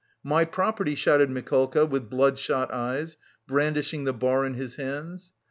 "My property!" shouted Mikolka, with bloodshot eyes, brandishing the bar in his hands.